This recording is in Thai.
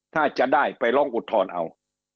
ถ้าจะได้ไปลองอุทธรณ์เอา